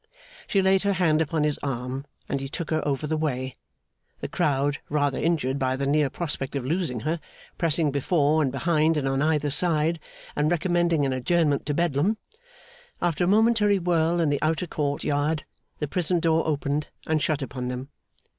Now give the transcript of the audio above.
She laid her hand upon his arm, and he took her over the way; the crowd, rather injured by the near prospect of losing her, pressing before and behind and on either side, and recommending an adjournment to Bedlam. After a momentary whirl in the outer court yard, the prison door opened, and shut upon them.